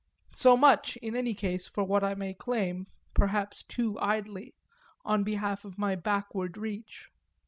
So much, in any case, for what I may claim perhaps too idly on behalf of my backward reach.